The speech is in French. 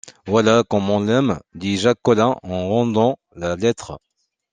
Voilà comme on l’aime!... dit Jacques Collin en rendant la lettre...